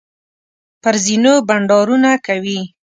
پر زینو بنډارونه کوي.